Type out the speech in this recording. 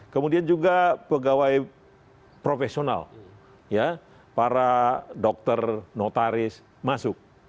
kemudian juga pegawai profesional para dokter notaris masuk